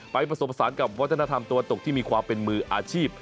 ไปประสบสารกับวัฒนธรรมตัวตกที่มีความเป็นมืออาชีพ